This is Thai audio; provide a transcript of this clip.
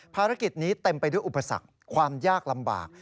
ภารกิจนี้เต็มไปด้วยอุปสรรคความยากลำบาก